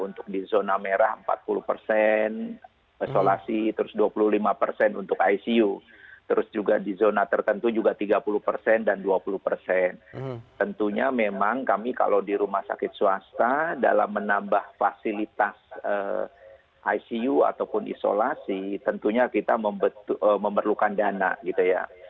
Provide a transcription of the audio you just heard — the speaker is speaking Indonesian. tentunya memang kami kalau di rumah sakit swasta dalam menambah fasilitas icu ataupun isolasi tentunya kita memerlukan dana gitu ya